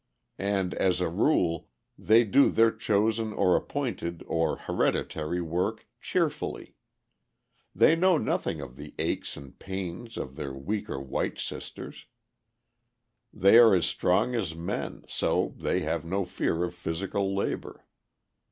And as a rule, they do their chosen or appointed or hereditary work cheerfully. They know nothing of the aches and pains of their weaker white sisters; they are as strong as men, so they have no fear of physical labor.